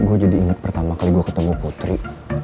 gue jadi ingat pertama kali gue ketemu putri